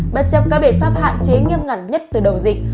bất chấp các biện pháp hạn chế nghiêm ngặt nhất từ đầu dịch